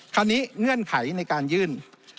คราวนี้เงื่อนไขในการยื่น